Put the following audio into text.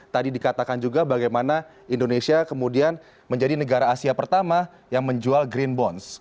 tadi dikatakan juga bagaimana indonesia kemudian menjadi negara asia pertama yang menjual green bonds